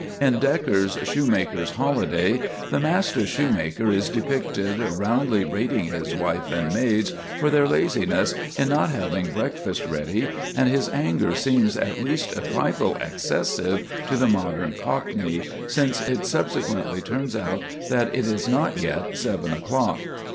In Dekker's "Shoemaker's Holiday," the master shoemaker is depicted roundly rating his wife and maids for their laziness in not having breakfast ready, and his anger seems at least a trifle excessive to the modern Cockney, since it subsequently turns out that it is not yet seven o'clock.